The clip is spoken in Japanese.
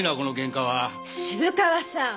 渋川さん